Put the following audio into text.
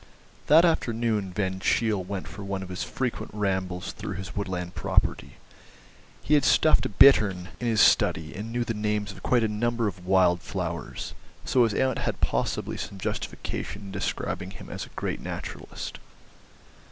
That afternoon Van Cheele went for one of his frequent rambles through his woodland property. He had a stuffed bittern in his study, and knew the names of quite a number of wild flowers, so his aunt had possibly some justification in describing him as a great naturalist.